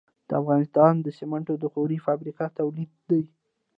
د افغانستان سمنټ د غوري فابریکې تولید دي